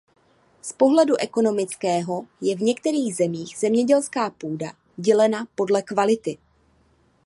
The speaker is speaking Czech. Z pohledu ekonomického je v některých zemích zemědělská půda dělena podle kvality.